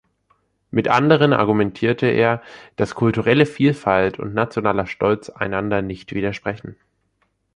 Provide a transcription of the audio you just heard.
Mit anderen argumentierte er, dass kulturelle Vielfalt und nationaler Stolz einander nicht widersprechen.